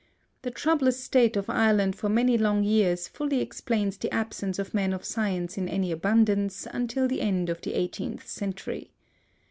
The troublous state of Ireland for many long years fully explains the absence of men of science in any abundance until the end of the eighteenth century.